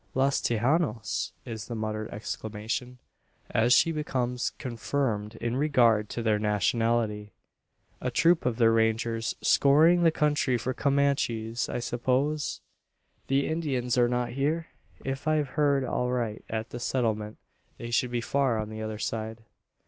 "Los Tejanos!" is the muttered exclamation, as she becomes confirmed in regard to their nationality. "A troop of their rangers scouring the country for Comanches, I suppose? The Indians are not here? If I've heard aright at the Settlement, they should be far on the other side."